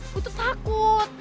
gue tuh takut